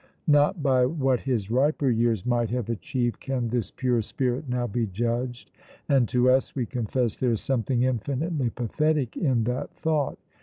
Not by what his riper years might have achieved can this pure, spirit now be judged, and to us, we confess, there is something infinitely pathetic in that thought.